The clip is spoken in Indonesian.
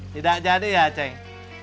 tidak jadi ya ceng